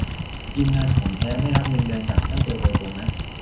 ทีมงาน ของแท้ ไม่รับเงินเดือนจากเจ้าตัวโดยตรงนะ